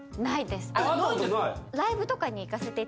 すごい。